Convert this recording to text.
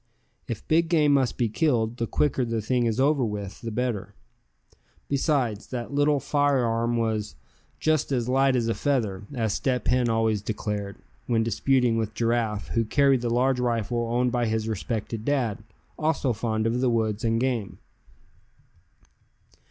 If big game must be killed, the quicker the thing is over with the better. Besides, that little fire arm was "just as light as a feather," as Step Hen always declared, when disputing with Giraffe, who carried the large rifle owned by his respected dad, also fond of the woods and game.